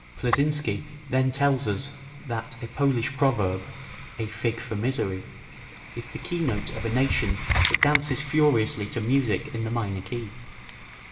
Kleczynski then tells us that a Polish proverb, "A fig for misery," is the keynote of a nation that dances furiously to music in the minor key.